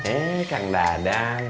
eh kang dadang